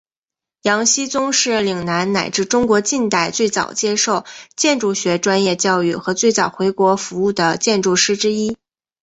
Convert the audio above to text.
杨锡宗是岭南乃至中国近代最早接受建筑学专业教育和最早回国服务的建筑师之一。